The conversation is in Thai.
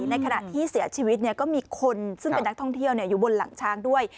ในขณะที่เสียชีวิตก็มีคนซึ่งเป็นนักท่องเที่ยวอยู่บนหลังช้างด้วย